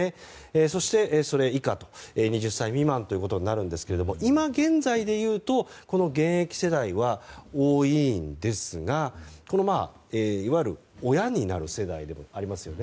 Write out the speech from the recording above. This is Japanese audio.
そして、それ以下と２０歳未満となるんですが今現在でいうとこの現役世代は多いんですが、いわゆる親になる世代でもありますよね。